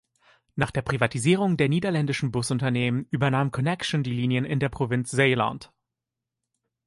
Nach der Privatisierung der niederländischen Busunternehmen übernahm Connexxion die Linien in der Provinz Zeeland.